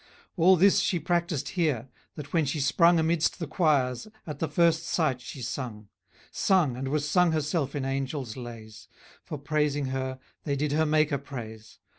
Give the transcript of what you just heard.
All this she practised here, that when she sprung Amidst the choirs, at the first sight she sung; Sung, and was sung herself in angels' lays; For, praising her, they did her Maker praise.